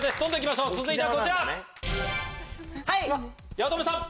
八乙女さん。